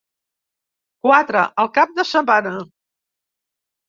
Quatre, el cap de setmana.